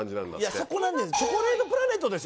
そこなんです。